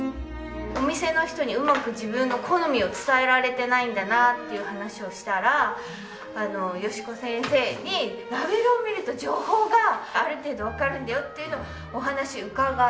お店の人にうまく自分の好みを伝えられてないんだなっていう話をしたら淑子先生にラベルを見ると情報がある程度わかるんだよっていうのをお話伺って。